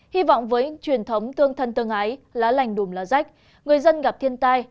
hy vọng với truyền thống tương thân tương ái lá lành đùm lá rách người dân gặp thiên tai